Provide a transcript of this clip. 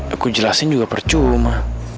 aku jelasin juga percuma